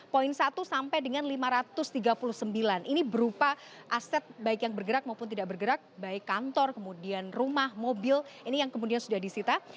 poin satu sampai dengan lima ratus tiga puluh sembilan ini berupa aset baik yang bergerak maupun tidak bergerak baik kantor kemudian rumah mobil ini yang kemudian sudah disita